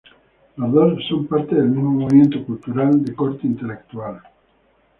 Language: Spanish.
Los dos son parte del mismo movimiento cultural de corte intelectual.